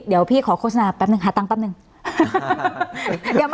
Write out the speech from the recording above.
เดี๋ยวพี่ขอโฆษณาแป๊บหนึ่งหาตังค์แป๊บหนึ่ง